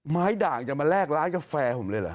ด่างจะมาแลกร้านกาแฟผมเลยเหรอ